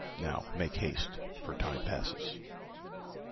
Now make haste, for time passes."